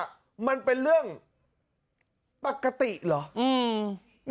จะต้องเป็นเรื่องปกติเหรอ